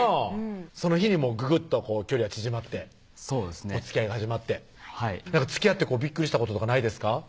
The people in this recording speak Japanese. その日にぐぐっと距離は縮まっておつきあいが始まってはいつきあってびっくりしたこととかないですか？